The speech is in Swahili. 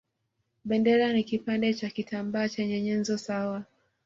Bendera ni kipande cha kitambaa chenye nyenzo sawa